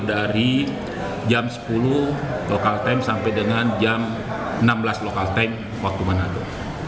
dari jam sepuluh local time sampai dengan jam enam belas local time waktu menado